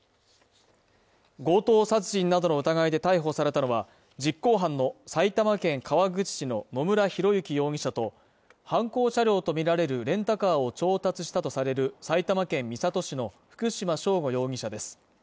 強盗殺人などの疑いで逮捕されたのは、実行犯の埼玉県川口市の野村広之容疑者と犯行車両とみられるレンタカーを調達したとされる埼玉県三郷市の福島聖悟容疑者です。